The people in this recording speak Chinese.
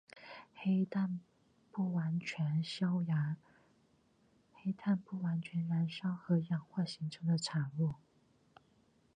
黑碳不完全燃烧和氧化形成的产物。